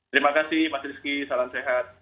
terima kasih mas rizky salam sehat